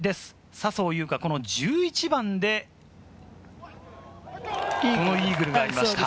笹生優花、この１１番でこのイーグルがありました。